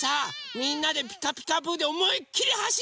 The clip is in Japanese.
みんなで「ピカピカブ！」でおもいっきり